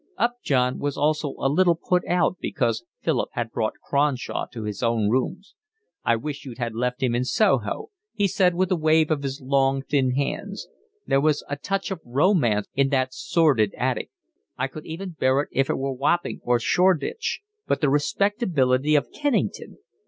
Upjohn was also a little put out because Philip had brought Cronshaw to his own rooms. "I wish you had left him in Soho," he said, with a wave of his long, thin hands. "There was a touch of romance in that sordid attic. I could even bear it if it were Wapping or Shoreditch, but the respectability of Kennington!